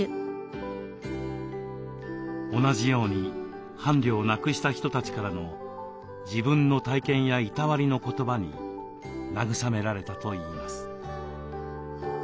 同じように伴侶を亡くした人たちからの自分の体験やいたわりの言葉に慰められたといいます。